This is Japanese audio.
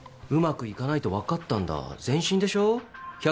うまく行かないとわかったんだ前進でしょう？